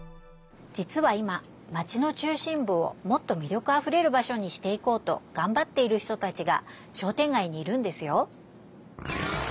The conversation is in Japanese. じつは今マチの中心ぶをもっとみりょくあふれる場所にしていこうとがんばっている人たちが商店街にいるんですよ。